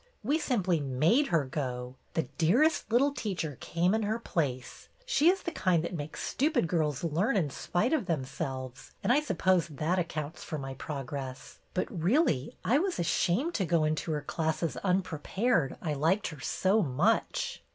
We simply made her go. The dearest little teacher came in her place. She is the kind that makes stupid girls learn in spite of themselves, and I suppose that accounts for my progress. But really, I was ashamed to go into her classes unpre pared, I liked her so much."